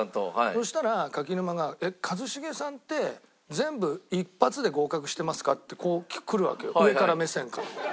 そしたら柿沼が「えっ一茂さんって全部一発で合格してますか？」ってこうくるわけよ上から目線で。